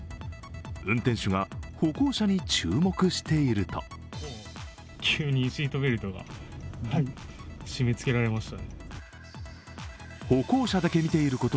運転手が歩行者に注目していると急にシートベルトが締めつけられました。